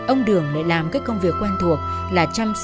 ông đường lại làm các công việc quen thuộc là chăm sóc